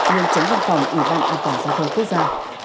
nhân chứng văn phòng ủy văn an toàn giao thông quốc gia